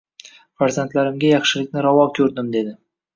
Farzandlarimga yaxshilikni ravo koʻrdim dedi...